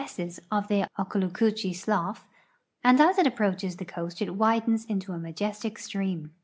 sses of the Okaloocoochee slough, and as it approaches the coast it widens into a majestic stream.